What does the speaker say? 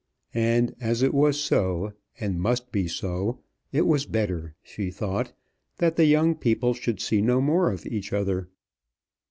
And, as it was so, and must be so, it was better, she thought, that the young people should see no more of each other.